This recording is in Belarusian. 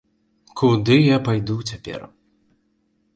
Куды я пайду цяпер?